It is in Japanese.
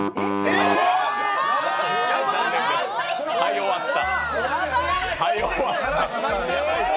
はい、終わった。